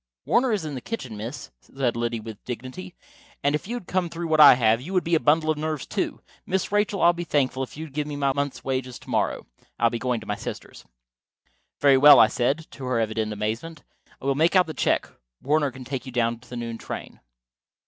"Warner is in the kitchen, miss," Liddy said with dignity. "And if you had come through what I have, you would be a bundle of nerves, too. Miss Rachel, I'd be thankful if you'd give me my month's wages to morrow. I'll be going to my sister's." "Very well," I said, to her evident amazement. "I will make out the check. Warner can take you down to the noon train."